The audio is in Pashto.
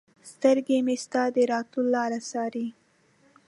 سترګې مې ستا د راتلو لارې څاري